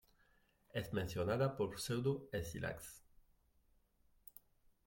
Es mencionada por Pseudo-Escilax.